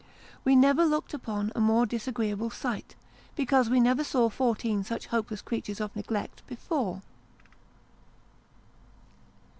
We never looked upon a more disagreeable sight, because \ve never saw fourteen such hopeless creatures of neglect, before.